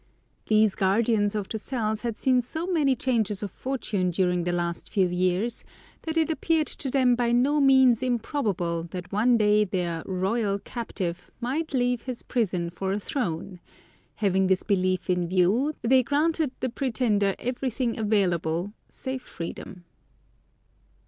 These guardians of the cells had seen so many changes of fortune during the last few years, that it appeared to them by no means improbable that one day their "royal" captive might leave his prison for a throne; having this belief in view, they granted the pretender everything available save freedom.